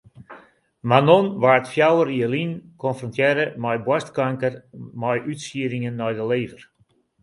Manon waard fjouwer jier lyn konfrontearre mei boarstkanker mei útsieddingen nei de lever.